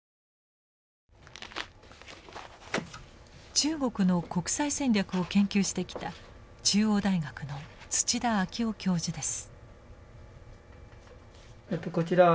中国の国際戦略を研究してきた中央大学の土田哲夫教授です。